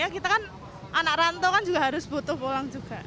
kita kan anak rantau kan juga harus butuh pulang juga